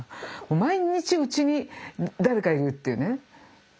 毎日うちに誰かいるっていうね。